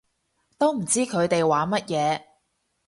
都唔知佢哋玩乜嘢